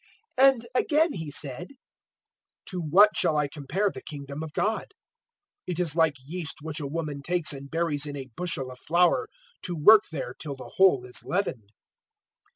013:020 And again He said, "To what shall I compare the Kingdom of God? 013:021 It is like yeast which a woman takes and buries in a bushel of flour, to work there till the whole is leavened."